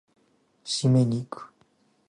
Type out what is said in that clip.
締めに行く！